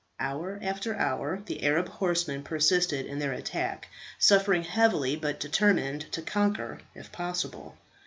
Hour after hour the Arab horsemen persisted in their attack, suffering heavily, but determined to conquer if possible.